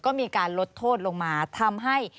ก็มีการลดโทษลงมาทำให้